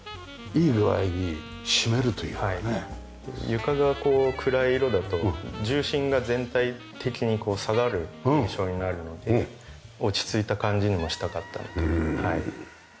床が暗い色だと重心が全体的に下がる印象になるので落ち着いた感じにもしたかったのではい。